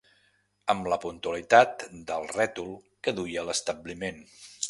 Amb la puntualitat del rètol que duia l'establiment